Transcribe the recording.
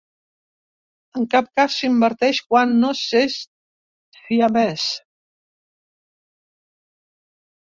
En cap cas s'inverteix quan no s'és siamès.